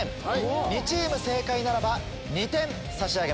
２チーム正解ならば２点差し上げます。